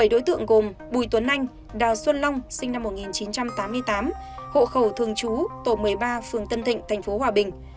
bảy đối tượng gồm bùi tuấn anh đào xuân long sinh năm một nghìn chín trăm tám mươi tám hộ khẩu thường trú tổ một mươi ba phường tân thịnh tp hòa bình